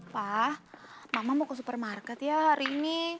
wah mama mau ke supermarket ya hari ini